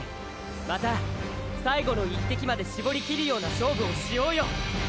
また最後の一滴まで絞りきるような勝負をしようよ！